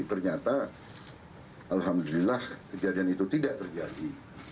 ternyata alhamdulillah kejadian itu tidak terjadi